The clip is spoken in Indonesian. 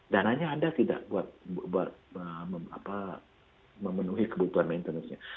dan hanya anda tidak memenuhi kebutuhan maintenance nya